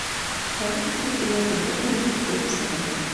Хәҙер килеп уларҙы бер нәмәһеҙ ҡыуып сығаралар.